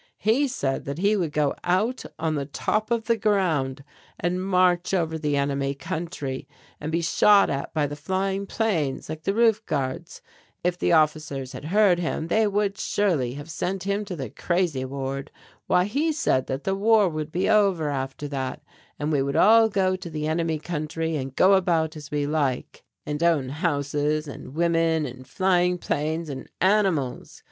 He said that we would go out on the top of the ground and march over the enemy country and be shot at by the flying planes, like the roof guards, if the officers had heard him they would surely have sent him to the crazy ward why he said that the war would be over after that, and we would all go to the enemy country and go about as we liked, and own houses and women and flying planes and animals.